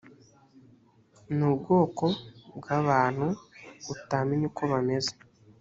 ni ubwoko bw’abantu utamenya uko bameze